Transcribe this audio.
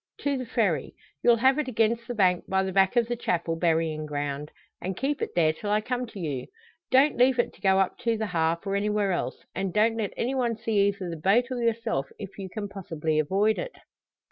"To the Ferry; you'll have it against the bank by the back of the Chapel burying ground, and keep it there till I come to you. Don't leave it to go up to the `Harp,' or anywhere else; and don't let any one see either the boat or yourself, if you can possibly avoid it.